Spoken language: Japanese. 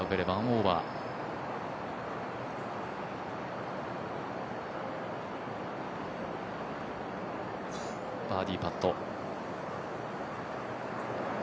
バーディーパット。